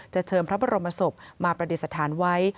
จะเชิงพระบรมศพมาประเด็นสถานไว้